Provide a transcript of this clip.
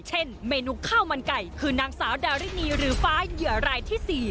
เมนูข้าวมันไก่คือนางสาวดารินีหรือฟ้าเหยื่อรายที่๔